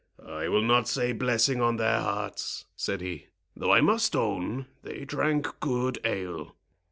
"I will not say blessing on their hearts," said he; "though I must own they drank good ale."